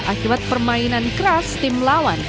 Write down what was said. akibat permainan keras tim lawan